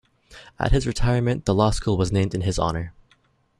At his retirement, the Law School was named in his honor.